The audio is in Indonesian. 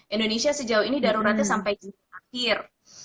indonesia sejauh ini daruratnya sampai akhir